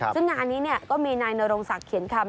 ซึ่งงานนี้ก็มีนายนรงศักดิ์เขียนคำ